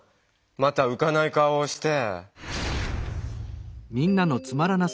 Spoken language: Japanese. またうかない顔をして。